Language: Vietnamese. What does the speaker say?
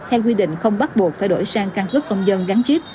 theo quy định không bắt buộc phải đổi sang căn cứ công dân gắn chip